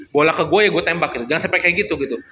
bola ke gue ya gue tembak gitu jangan sampai kayak gitu gitu